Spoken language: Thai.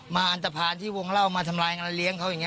อันตภัณฑ์ที่วงเล่ามาทำลายงานเลี้ยงเขาอย่างนี้